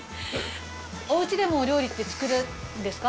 お家でもお料理って作るんですか？